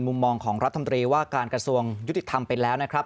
มุมมองของรัฐมนตรีว่าการกระทรวงยุติธรรมไปแล้วนะครับ